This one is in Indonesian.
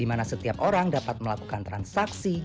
dimana setiap orang dapat melakukan transaksi